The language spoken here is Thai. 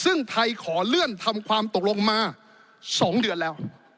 ซึ่งไทยขอเลื่อนทำความตกลงมา๒เดือนแล้ว